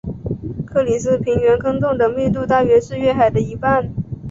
克里斯平原坑洞的密度大约是月海的一半。